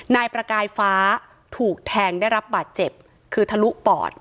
นายประกายฟ้าถูกแทงได้รับบาดเจ็บคือทะลุปอด